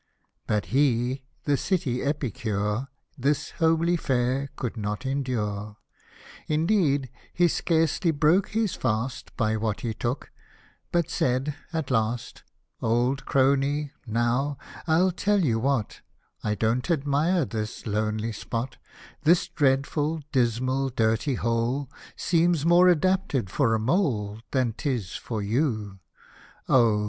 But he, the city epicure, This homely fare could not endure ; Indeed, he scarcely broke his fast By what he took, but said, at last, {( Old crony, now, I'll tell you what, I don't admire this lonely spot ; This dreadful, dismal, dirty hole, Seems more adapted for a mole Than 'tis for you ; O